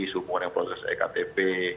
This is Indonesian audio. sehubungannya proses ektp